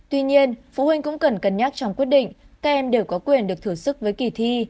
tuy nhiên phụ huynh cũng cần cân nhắc trong quyết định các em đều có quyền được thử sức với kỳ thi